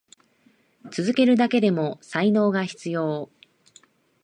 続けるだけでも才能が必要。